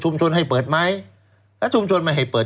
ชุมชนให้เปิดไหมถ้าชุมชนไม่ให้เปิด